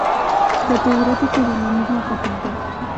Catedrático de la misma Facultad.